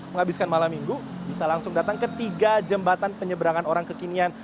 menghabiskan malam minggu bisa langsung datang ke tiga jembatan penyeberangan orang kekinian